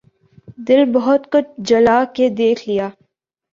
دل بہت کچھ جلا کے دیکھ لیا